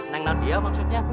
neng nadia maksudnya